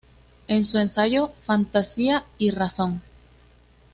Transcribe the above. En su ensayo "Fantasía y razón.